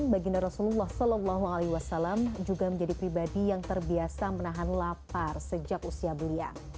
baginda rasulullah saw juga menjadi pribadi yang terbiasa menahan lapar sejak usia belia